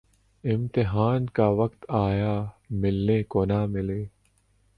امتحان کا وقت آیا‘ ملنے کو نہ ملے۔